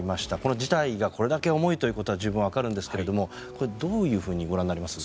事態がこれだけ重いということは十分わかるんですがこれ、どういうふうにご覧になります？